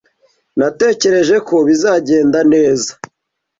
ntatekereza ko bizagenda neza.